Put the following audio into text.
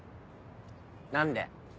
何で？